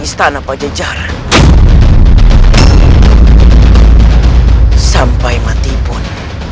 sampai mati pun